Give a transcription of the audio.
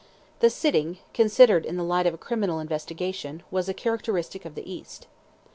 The sitting, considered in the light of a criminal investigation, was characteristic of the East.